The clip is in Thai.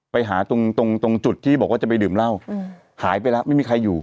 ไปหาตรงตรงจุดที่บอกว่าจะไปดื่มเหล้าหายไปแล้วไม่มีใครอยู่